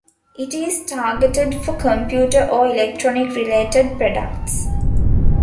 It is targeted for computer or electronic related products.